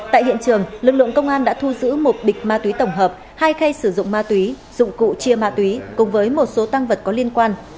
tại hiện trường lực lượng công an đã thu giữ một bịch ma túy tổng hợp hai khay sử dụng ma túy dụng cụ chia ma túy cùng với một số tăng vật có liên quan